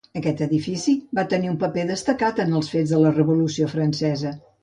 Aquest edifici va tenir un paper destacat en els fets de la Revolució Francesa.